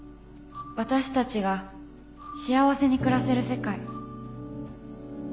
私たちが幸せに暮らせる世界。